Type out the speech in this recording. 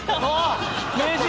名人！